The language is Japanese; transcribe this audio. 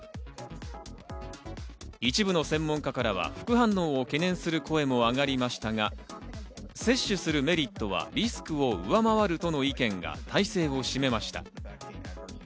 一部の専門家からは副反応を懸念する声も上がりましたが、接種するメリットはリスクを上回るとの意見が大勢を占めました。